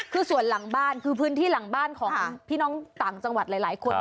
คือส่วนหลังบ้านคือพื้นที่หลังบ้านของพี่น้องต่างจังหวัดหลายคน